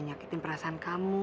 gak nyakitin perasaan kamu